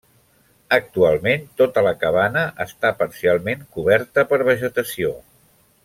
Actualment tota la cabana està parcialment coberta per vegetació.